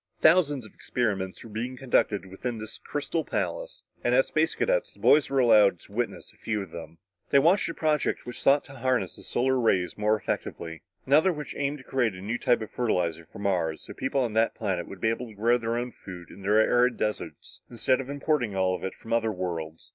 Thousands of experiments were being conducted within this crystal palace, and as Space Cadets, the boys were allowed to witness a few of them. They watched a project which sought to harness the solar rays more effectively; another which aimed to create a new type of fertilizer for Mars, so people of that planet would be able to grow their own food in their arid deserts instead of importing it all from other worlds.